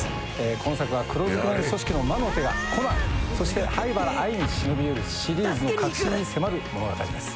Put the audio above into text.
今作は黒ずくめの組織の魔の手がコナンそして灰原哀に忍び寄るシリーズの核心に迫る物語です。